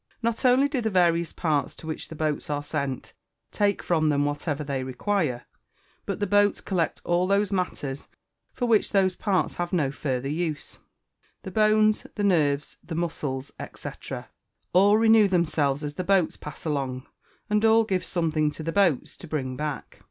_ Not only do the various parts to which the boats are sent take from them whatever they require, but the boats collect all those matters for which those parts have no further use. The bones, the nerves, the muscles, &c., all renew themselves as the boats pass along; and all give something to the boats to bring back.